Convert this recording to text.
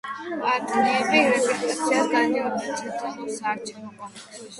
პარტიები რეგისტრაციას გადიოდნენ ცენტრალურ საარჩევნო კომისიაში.